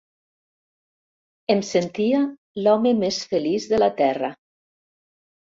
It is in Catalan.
Em sentia l'home més feliç de la terra.